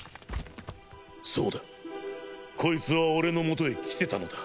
そうだコイツは俺のもとへ来てたのだ。